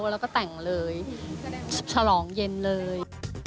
แล้วก็แต่งเลยฉลองเย็นเลย